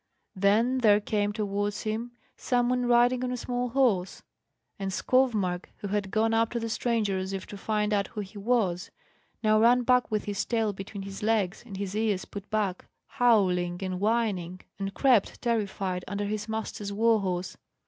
Then there came towards him some one riding on a small horse; and Skovmark, who had gone up to the stranger as if to find out who he was, now ran back with his tail between his legs and his ears put back, howling and whining, and crept, terrified, under his master's war horse.